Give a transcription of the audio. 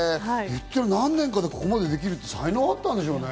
何年かでここまでできるって才能があったんでしょうね。